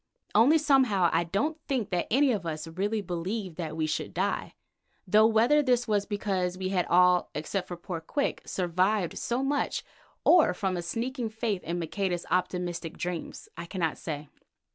Only somehow I don't think that any of us really believed that we should die, though whether this was because we had all, except poor Quick, survived so much, or from a sneaking faith in Maqueda's optimistic dreams, I cannot say.